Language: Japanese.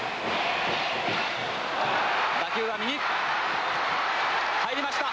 打球は右入りました。